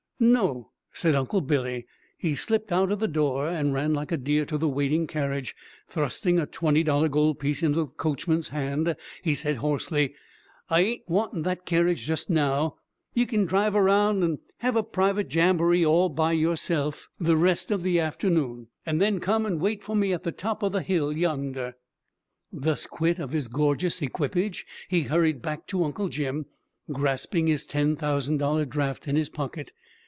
"No," said Uncle Billy. He slipped out of the door, and ran like a deer to the waiting carriage. Thrusting a twenty dollar gold piece into the coachman's hand, he said hoarsely, "I ain't wantin' that kerridge just now; ye ken drive around and hev a private jamboree all by yourself the rest of the afternoon, and then come and wait for me at the top o' the hill yonder." Thus quit of his gorgeous equipage, he hurried back to Uncle Jim, grasping his ten thousand dollar draft in his pocket.